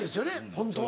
ホントは。